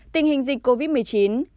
một tình hình dịch covid một mươi chín